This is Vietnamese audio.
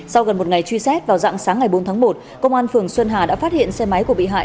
sau gần một ngày truy xét vào dạng sáng ngày bốn tháng một công an phường xuân hà đã phát hiện xe máy của bị hại